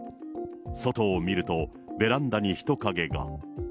外を見ると、ベランダに人影が。